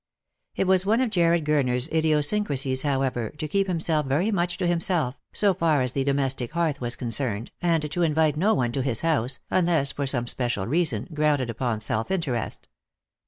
It was one of Jarred Gurner's idiosyncrasies, however, to keep himself very much to himself, so far as the domestic hearth was concerned, and to invite no one to his house, unless for some special reason, grounded upon self interest.